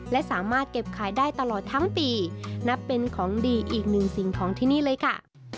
และสามารถเก็บขายได้ตลอดทั้งปีนับเป็นของดีอีกหนึ่งสิ่งของที่นี่เลยค่ะ